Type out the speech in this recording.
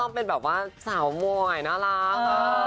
เป็นแบบว่าสาวมวยน่ารัก